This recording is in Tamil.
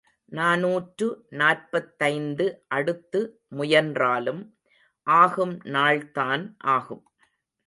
நாநூற்று நாற்பத்தைந்து அடுத்து முயன்றாலும் ஆகும் நாள்தான் ஆகும்.